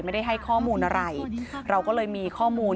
ไม่ได้ให้ข้อมูลอะไรเราก็เลยมีข้อมูล